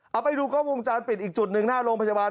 เอาไปดูกล้องวงจรปิดอีกจุดหนึ่งหน้าโรงพยาบาล